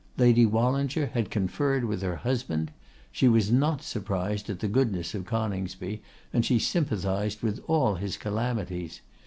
Lady Wallinger had conferred with her husband. She was not surprised at the goodness of Coningsby, and she sympathised with all his calamities.